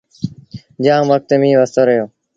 جآم وکت ميݩهن وستو رهيو۔